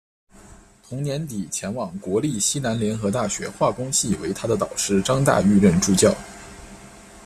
同年底前往国立西南联合大学化工系为他的导师张大煜任助教。